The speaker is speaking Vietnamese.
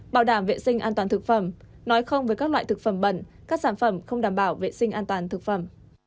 bảo đảm vệ sinh an toàn thực phẩm nói không với các loại thực phẩm bẩn các sản phẩm không đảm bảo vệ sinh an toàn thực phẩm